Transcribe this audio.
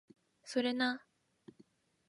それな